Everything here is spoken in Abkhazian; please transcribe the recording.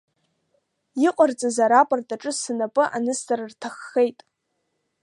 Иыҟарҵаз арапорт аҿы сынапы анысҵар рҭаххеит.